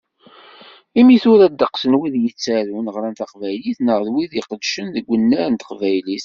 Imi tura ddeqs n wid yettarun, ɣran taqbaylit neɣ d wid iqeddcen deg unnar n teqbaylit